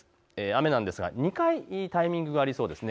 雨なんですが２回、タイミングがありそうです。